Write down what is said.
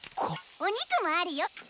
お肉もあるよ！